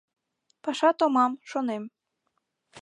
Паша томам, шонем.